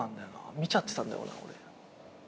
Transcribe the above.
見ちゃってたんだよ俺。